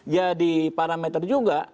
jadi parameter juga